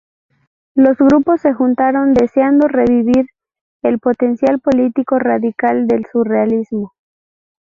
Los grupos se juntaron deseando revivir el potencial político radical del surrealismo.